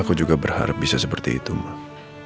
aku juga berharap bisa seperti itu mbak